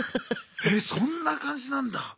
えそんな感じなんだ。